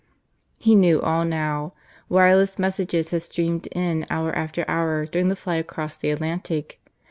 He knew all now; wireless messages had streamed in hour after hour during the flight across the Atlantic.